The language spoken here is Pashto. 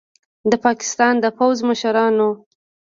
د پاکستان د پوځ مشرانو